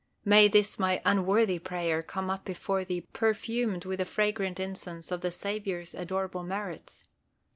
May this my unworthy prayer come up before Thee perfumed with the fragrant incense of the Saviour's adorable merits.